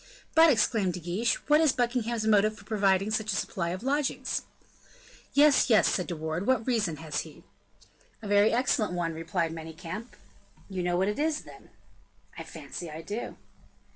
"But," exclaimed De Guiche, "what is Buckingham's motive for providing such a supply of lodgings?" "Yes, yes," said De Wardes; "what reason has he?" "A very excellent one," replied Manicamp. "You know what it is, then?" "I fancy I do."